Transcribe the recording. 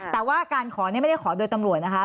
แต่ว่าการขอนี่ไม่ได้ขอโดยตำรวจนะคะ